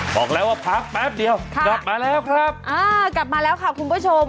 บอกแล้วว่าพักแป๊บเดียวกลับมาแล้วครับอ่ากลับมาแล้วค่ะคุณผู้ชม